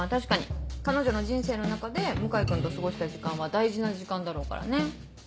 彼女の人生の中で向井君と過ごした時間は大事な時間だろうからね。